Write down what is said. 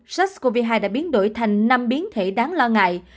sars cov hai đã biến đổi thành năm biến thể đáng lo ngại